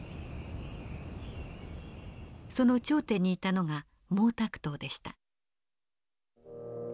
その頂点にいたのが毛沢東でした。